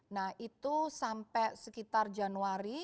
nah itu sampai sekitar januari